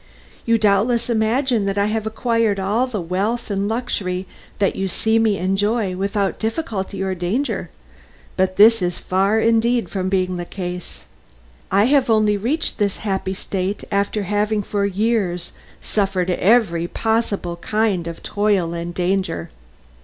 You doubtless imagine that I have acquired all the wealth and luxury that you see me enjoy without difficulty or danger, but this is far indeed from being the case. I have only reached this happy state after having for years suffered every possible kind of toil and danger.